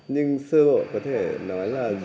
nhưng sơ bộ có thể nói là